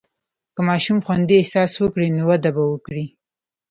که ماشوم خوندي احساس وکړي، نو وده به وکړي.